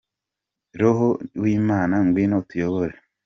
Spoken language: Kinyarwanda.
Roho w'imana ngwino utuyobore.